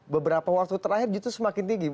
beberapa waktu terakhir justru semakin tinggi